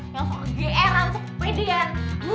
yang suka gr rancang pedean